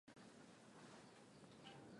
Kenya ndiye mwekezaji mkubwa zaidi Tanzania